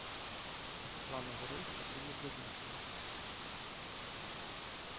Пазапланавы рэйс пакуль не прызначаны.